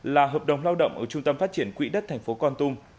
là hợp đồng lao động ở trung tâm phát triển quỹ đất thành phố con tum